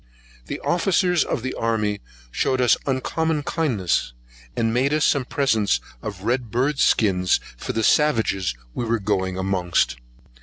The officers of the army shewed us uncommon kindness, and made us some presents of red bird skins for the savages we were going amongst.